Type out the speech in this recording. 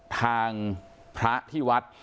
ทางพระที่วัด